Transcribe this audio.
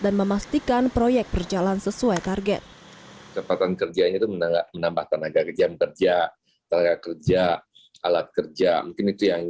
kecepatan kerjanya itu menambah tenaga kerja kerja tenaga kerja alat kerja mungkin itu yang